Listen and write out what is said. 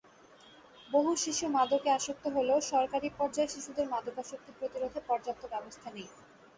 বহু শিশু মাদকে আসক্ত হলেও সরকারি পর্যায়ে শিশুদের মাদকাসক্তি প্রতিরোধে পর্যাপ্ত ব্যবস্থা নেই।